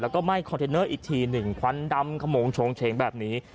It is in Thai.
แล้วก็ไหม้คอนเทนเนอร์อีกทีหนึ่งควันดำขโมงโชงเฉงแบบนี้